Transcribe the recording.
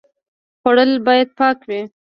خوړل باید پاک وي